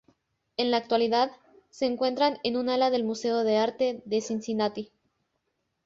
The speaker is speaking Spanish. En la actualidad, se encuentran en un ala del Museo de Arte de Cincinnati.